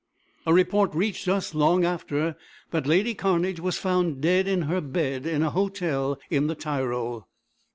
A report reached us long after, that lady Cairnedge was found dead in her bed in a hotel in the Tyrol.